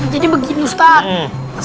jadi begini ustadz